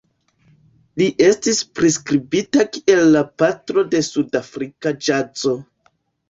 Li estis priskribita kiel "la patro de sudafrika ĵazo.